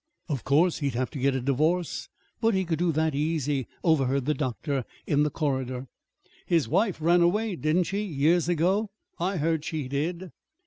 "Of course he'd have to get a divorce but he could do that easy," overheard the doctor in the corridor. "His wife ran away, didn't she, years ago? I heard she did."